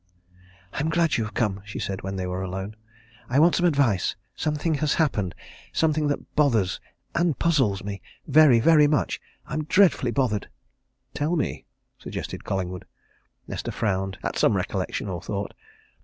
"I am glad you have come," she said, when they were alone. "I want some advice. Something has happened something that bothers and puzzles me very, very much! I'm dreadfully bothered." "Tell me," suggested Collingwood. Nesta frowned at some recollection or thought.